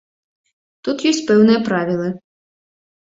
Тут ёсць пэўныя правілы.